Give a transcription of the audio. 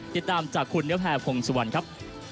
ติดตามจากคุณนิวแพพงศ์สุวรรณครับ